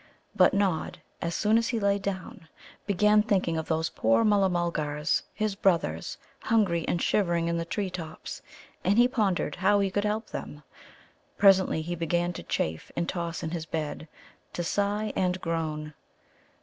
But Nod, as soon as he lay down, began thinking of those poor Mulla mulgars, his brothers, hungry and shivering in the tree tops. And he pondered how he could help them. Presently he began to chafe and toss in his bed, to sigh and groan.